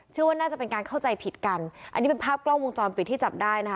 ว่าน่าจะเป็นการเข้าใจผิดกันอันนี้เป็นภาพกล้องวงจรปิดที่จับได้นะคะ